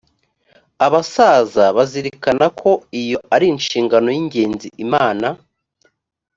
abasaza bazirikana ko iyo ari inshingano y ingenzi imana